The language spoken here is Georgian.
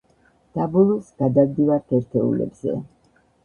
და ბოლოს, გადავდივართ ერთეულებზე.